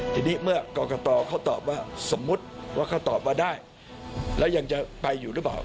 ทีนี้เมื่อกรกตเขาตอบว่าสมมุติว่าเขาตอบว่าได้แล้วยังจะไปอยู่หรือเปล่า